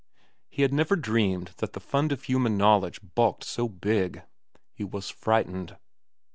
He had never dreamed that the fund of human knowledge bulked so big. He was frightened.